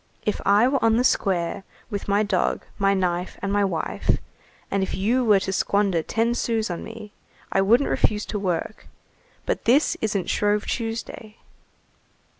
if I were on the square with my dog, my knife, and my wife, and if you were to squander ten sous on me, I wouldn't refuse to work, but this isn't Shrove Tuesday."